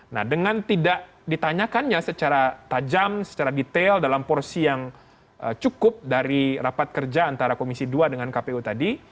nah dengan tidak ditanyakannya secara tajam secara detail dalam porsi yang cukup dari rapat kerja antara komisi dua dengan kpu tadi